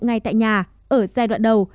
ngay tại nhà ở giai đoạn đầu